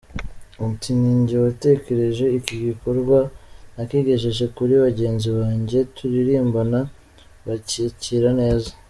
Ati “Ni njye watekereje iki gikorwa, nakigejeje kuri bagenzi banjye turirimbana bacyakira neza.